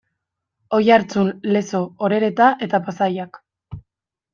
Oiartzun, Lezo, Orereta eta Pasaiak.